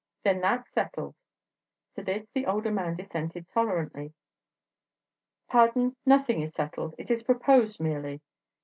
Then that's settled." To this the older man dissented tolerantly. "Pardon: nothing is settled; it is proposed, merely."